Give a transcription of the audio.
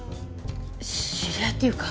知り合いっていうか